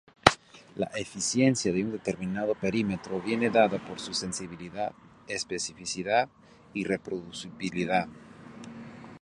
La eficiencia de un determinado perímetro viene dada por su sensibilidad, especificidad y reproducibilidad.